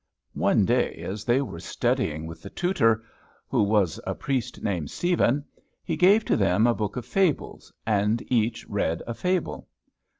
One day as they were studying with the tutor, who was a priest named Stephen, he gave to them a book of fables, and each read a fable.